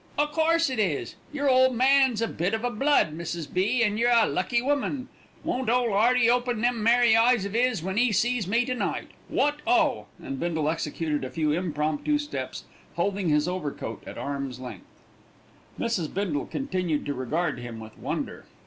"O' course it is. Your ole man's a bit of a blood, Mrs. B., and you're a lucky woman. Won't ole 'Earty open them merry eyes of 'is when 'e sees me to night. What oh!" and Bindle executed a few impromptu steps, holding his overcoat at arm's length. Mrs. Bindle continued to regard him with wonder.